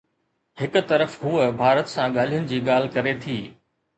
هڪ طرف هوءَ ڀارت سان ڳالهين جي ڳالهه ڪري ٿي.